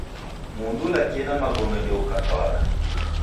Mundu ulakie na magome, ndeukatwagha.